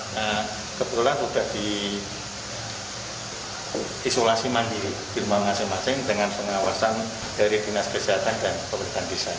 nah kebetulan sudah di isolasi mandiri di rumah masing masing dengan pengawasan dari dinas kesehatan dan pemerintahan desa